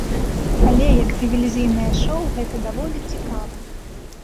Але, як тэлевізійнае шоў, гэта даволі цікава.